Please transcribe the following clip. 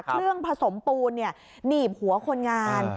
เครื่องผสมปูนหนีบหัวคนงาน